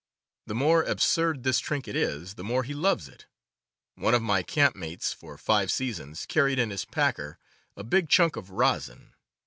The more absurd this trinket is, the more he loves it. One of my camp mates for five seasons carried in his "packer" a big chunk of rosin.